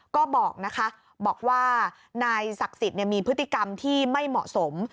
ก็บอกนะคะบอกว่านายศักดิ์สิทธิ์มีพฤติกรรมที่ไม่เหมาะสม